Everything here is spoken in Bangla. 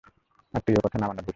আর তুই ওই কথা না মানা ভুত।